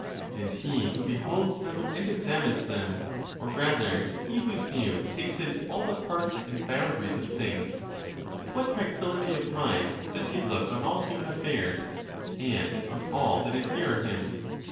And he who beholds them and examines them, or rather he whose view takes in all the parts and boundaries of things, with what tranquillity of mind does he look on all human affairs, and on all that is nearer him!